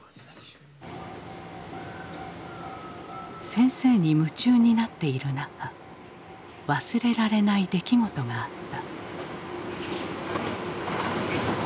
先生に夢中になっている中忘れられない出来事があった。